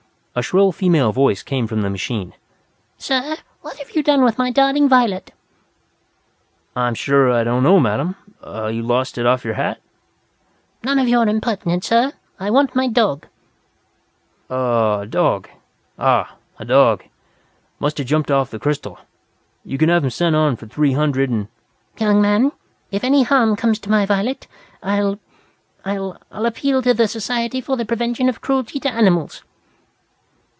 a shrill female voice came from the machine. "Sir, what have you done with my darling Violet?" "I'm sure I don't know, madam. You lost it off your hat?" "None of your impertinence, sir! I want my dog." "Ah, a dog. Must have jumped off the crystal. You can have him sent on for three hundred and " "Young man, if any harm comes to my Violet I'll I'll I'll appeal to the Society for the Prevention of Cruelty to Animals!"